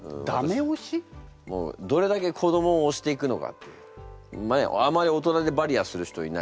もうどれだけ子どもをおしていくのかっていうあまり大人でバリアーする人いない。